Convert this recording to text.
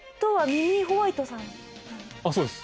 そうです。